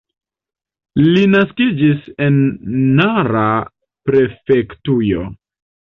Li naskiĝis en Nara prefektujo.